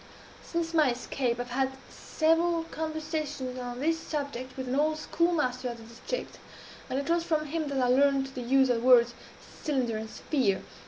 Since my escape, I have had several conversations on this subject with an old schoolmaster of the district; and it was from him that I learned the use of the words 'cylinder' and 'sphere.'